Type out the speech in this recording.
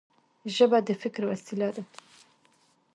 ژبه د فکر وسیله ده.